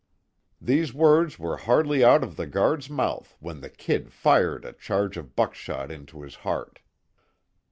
These words were hardly out of the guard's mouth when the "Kid" fired a charge of buckshot into his heart.